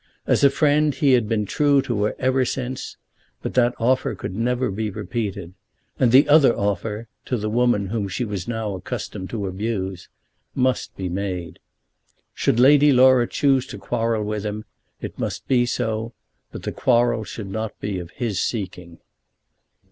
As a friend he had been true to her ever since, but that offer could never be repeated. And the other offer, to the woman whom she was now accustomed to abuse, must be made. Should Lady Laura choose to quarrel with him it must be so; but the quarrel should not be of his seeking.